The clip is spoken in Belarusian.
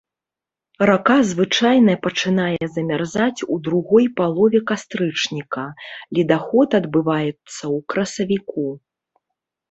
Рака звычайна пачынае замярзаць у другой палове кастрычніка, ледаход адбываецца ў красавіку.